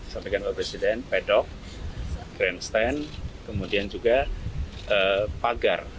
sampaikan bapak presiden pedok grandstand kemudian juga pagar